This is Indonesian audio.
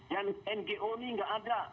dan ngo ini tidak ada